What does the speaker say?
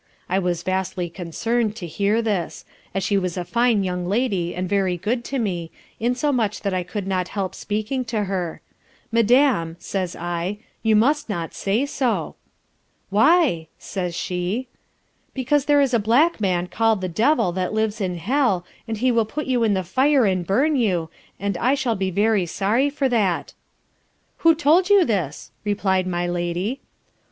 I was vastly concern'd to hear this, as she was a fine young lady, and very good to me, insomuch that I could not help speaking to her, "Madam, says I, you must not say so," Why, says she? Because there is a black man call'd the Devil that lives in hell, and he will put you in the fire and burn you, and I shall be very sorry for that. Who told you this replied my lady?